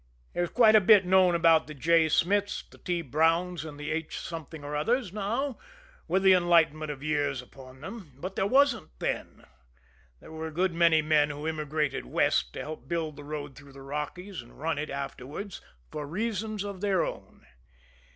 There's quite a bit known about the J. Smiths, the T. Browns and the H. Something or others now, with the enlightenment of years upon them but there wasn't then. There were a good many men who immigrated West to help build the road through the Rockies, and run it afterwards for reasons of their own.